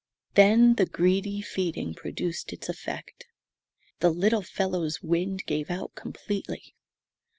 Then the greedy feeding produced its effect. The little fellow's wind gave out completely.